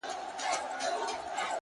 او که يې اخلې نو آدم اوحوا ولي دوه وه;